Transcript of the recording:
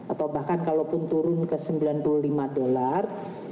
atau bahkan kalau pun turun ke sembilan puluh lima dollar